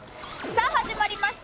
さあ始まりました